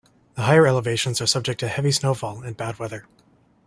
The higher elevations are subject to heavy snowfall and bad weather.